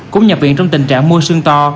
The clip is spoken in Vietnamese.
cũng nhập viện trong tình trạng mô sương to